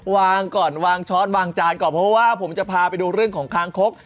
วางก่อนวางช้อนวางจานก่อนเพราะว่าผมจะพาไปดูเรื่องของคางคก